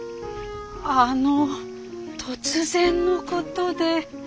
あの突然のことで。